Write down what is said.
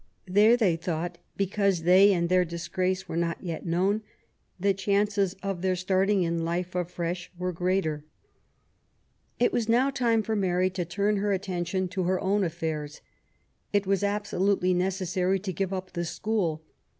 There, they thought, because they and their disgrace were not yet known, the chances of their starting in life afresh were greater. 48 MAEY W0LL8T0NECBAFT GODWIN. It was now time for Mary to turn her attention to her own affairs. It was absolutely necessary to give up the school.